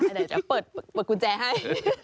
ค่ะได้เปิดกุญแจให้